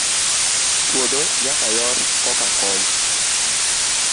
Puodho nyaka yor koka kom.